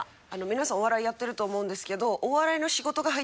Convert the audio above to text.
皆さんお笑いやってると思うんですけど。